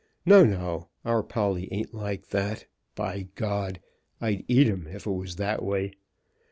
"No, no! Our Polly ain't like that. By G , I'd eat him, if it was that way!